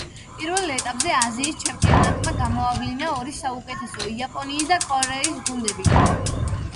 პირველ ეტაპზე აზიის ჩემპიონატმა გამოავლინა ორი საუკეთესო, იაპონიის და კორეის გუნდები.